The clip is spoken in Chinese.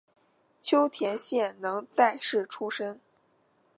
秋田县能代市出身。